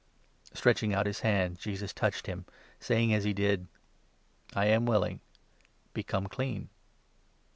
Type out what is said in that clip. Stretching out his hand, Jesus touched him, saying as he did 13 so :" I am willing ; become clean."